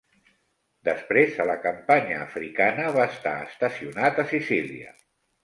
Després, a la campanya africana, va estar estacionat a Sicília.